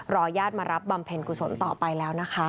ญาติมารับบำเพ็ญกุศลต่อไปแล้วนะคะ